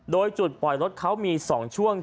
โดยจุดปล่อยรถเขามี๒ช่วง